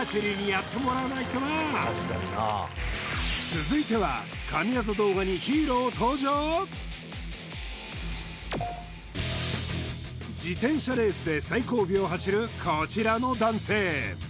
次続いては自転車レースで最後尾を走るこちらの男性